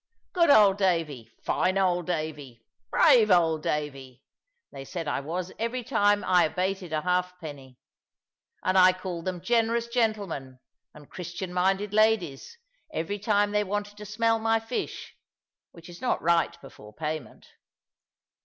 "Good old Davy, fine old Davy, brave old Davy!" they said I was every time I abated a halfpenny; and I called them generous gentlemen and Christian minded ladies every time they wanted to smell my fish, which is not right before payment.